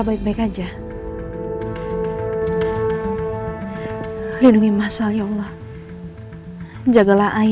apakah kamu jadi might trail happy